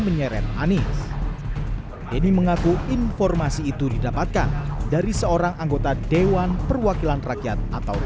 menyeret anies denny mengaku informasi itu didapatkan dari seorang anggota dewan perwakilan rakyat atau